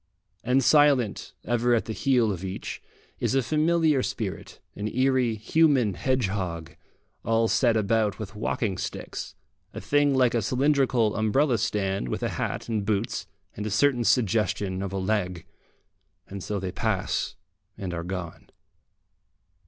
And silent, ever at the heel of each, is a familiar spirit, an eerie human hedgehog, all set about with walking sticks, a thing like a cylindrical umbrella stand with a hat and boots and a certain suggestion of leg. And so they pass and are gone.